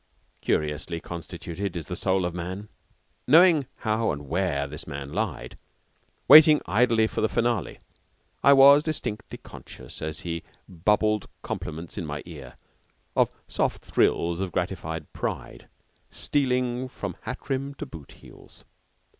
Curiously constituted is the soul of man. Knowing how and where this man lied, waiting idly for the finale, I was distinctly conscious, as he bubbled compliments in my ear, of soft thrills of gratified pride stealing from hat rim to boot heels.